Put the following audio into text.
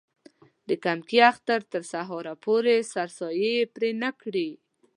د کمکي اختر تر سهاره پورې سرسایې پرې نه کړي.